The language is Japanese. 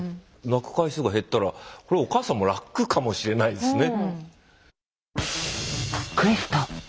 泣く回数が減ったらこれお母さんも楽かもしれないですね。